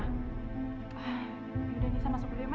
yaudah nisa masuk dulu deh mak